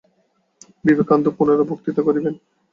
বিবে কানন্দ পুনরায় বক্তৃতা করিবেন।